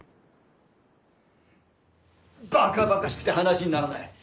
バカバカしくて話にならない。